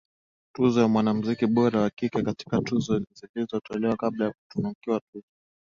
tuzo ya mwanamziki bora wa kike katika Tuzo zilizo tolewa kabla ya kutunukiwa tuzo